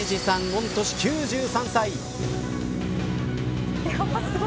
御年９３歳。